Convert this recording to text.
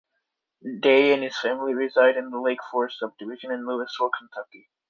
Day and his family reside in the Lake Forest subdivision in Louisville, Kentucky.